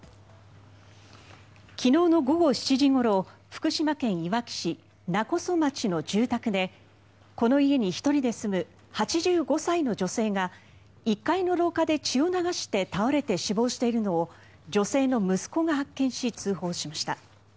昨日の午後７時ごろ福島県いわき市勿来町の住宅でこの家に１人で住む８５歳の女性が１階の廊下で血を流して死亡しているのを女性の息子が発見し通報しました。